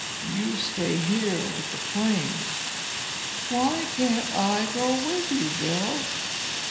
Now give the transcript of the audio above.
You stay here with the planes." "Why can't I go with you, Bill?"